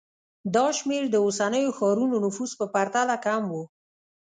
دا شمېر د اوسنیو ښارونو نفوس په پرتله کم و